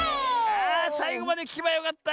あさいごまできけばよかった！